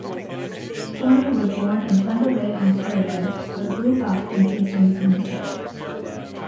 Chorney was born in Thunder Bay, Ontario, but grew up in Hastings, Minnesota.